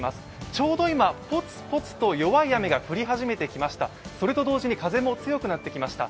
ちょうど今、ポツポツと弱い雨が降り始めてきました。